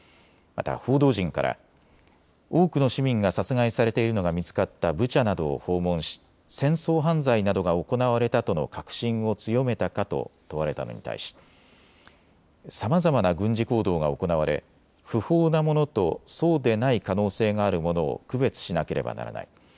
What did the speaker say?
また報道陣から多くの市民が殺害されているのが見つかったブチャなどを訪問し戦争犯罪などが行われたとの確信を強めたかと問われたのに対しさまざまな軍事行動が行われ不法なものとそうでない可能性があるものを区別しなければならない。